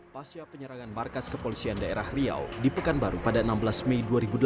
pasca penyerangan markas kepolisian daerah riau di pekanbaru pada enam belas mei dua ribu delapan belas